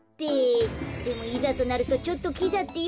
でもいざとなるとちょっとキザっていうか